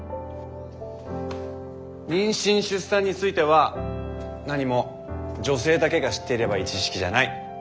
妊娠出産については何も女性だけが知っていればいい知識じゃない。